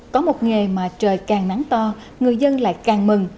có một nghề mà trời càng nắng to người dân lại càng mừng